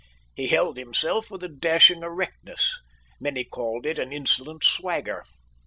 He held himself with a dashing erectness. Many called it an insolent swagger.